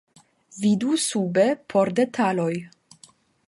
Vidu sube por detaloj.